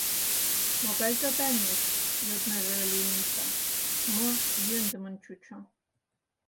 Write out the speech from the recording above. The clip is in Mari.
Могай «заданийыш»? — йоднеже ыле Миша, но йӧндымын чучо.